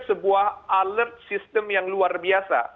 sebuah alert system yang luas